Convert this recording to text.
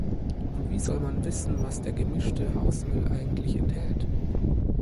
Und wie soll man wissen, was der gemischte Hausmüll eigentlich enthält?